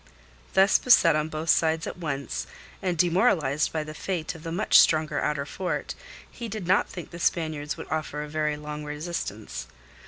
Thus beset on both sides at once, and demoralized by the fate of the much stronger outer fort, he did not think the Spaniards would offer a very long resistance.